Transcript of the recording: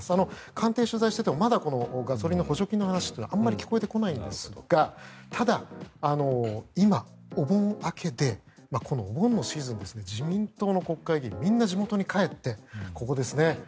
官邸を取材していてもまだこのガソリンの補助金の話はあまり聞こえてこないんですがただ、今、お盆明けでこのお盆のシーズンは自民党の国会議員みんな地元に帰ってここですね。